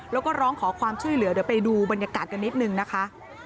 แล้วก็ร้องขอความช่วยเหลือเดี๋ยวไปดูบรรยากาศกันนิดนึงนะคะ